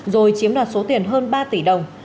rồi chiếm đoạt số tiền hơn ba tỷ đồng